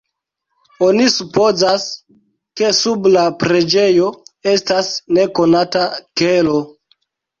Oni supozas, ke sub la preĝejo estas nekonata kelo.